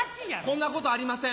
こんなことありません。